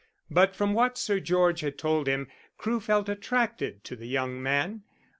But from what Sir George had told him Crewe felt attracted to the young man.